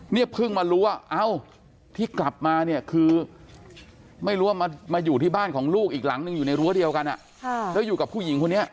เนี่ยเพิ่งมารู้ว่าเอ้าที่กลับมาเนี่ยคือไม่รู้ว่ามาอยู่ที่บ้านของลูกอีกหลังหนึ่งอยู่ในรั้วเดียวกันแล้วอยู่กับผู้หญิงคนนี้